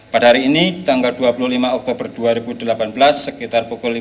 pada hari ini tanggal dua puluh lima oktober dua ribu delapan belas sekitar pukul lima belas